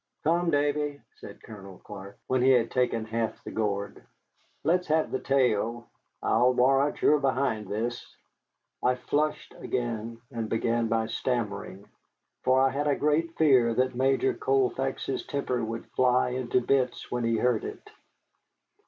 "Come, Davy," said Colonel Clark, when he had taken half the gourd, "let's have the tale. I'll warrant you're behind this." I flushed again, and began by stammering. For I had a great fear that Major Colfax's temper would fly into bits when he heard it.